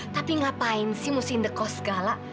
tapi ngapain sih musim dekos gala